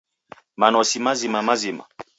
Manosi mazima-mazima